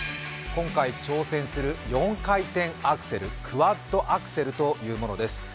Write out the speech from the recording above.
今回、挑戦する４回転アクセルクワッドアクセルというものです。